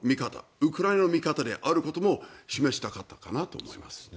ウクライナの味方であることを示したかったのかなと思います。